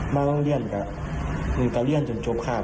ไม่ต้องเรียนหมึงก็เรียนจนจบคาป